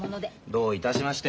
どういたしまして。